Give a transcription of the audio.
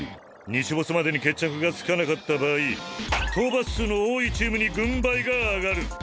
日没までに決着がつかなかった場合討伐数の多いチームに軍配が上がる。